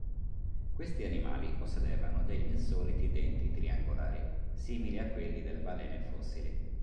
Questi animali possedevano degli insoliti denti triangolari, simili a quelli delle balene fossili.